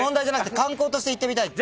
観光としていってみたい。